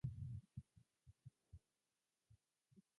説得が意味をなさないことはわかっていたから